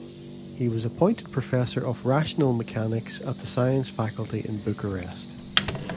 He was appointed professor of rational mechanics at the Science Faculty in Bucharest.